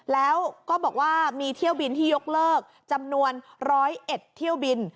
แล้วก็บอกว่ามีเที่ยวบินที่ยกเลิกจำนวน๑๐๑เที่ยวบิน